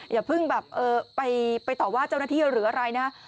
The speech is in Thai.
อย่าเพิ่งแบบไปต่อว่าเจ้าหน้าที่หรืออะไรนะ